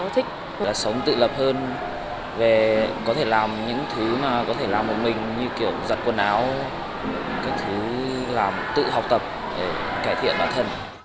thì là cháu thích